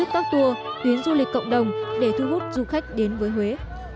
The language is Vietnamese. các tour tuyến du lịch cộng đồng để thu hút du khách đến với huế